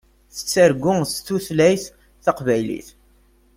Tettargu s tutlayt taqbaylit.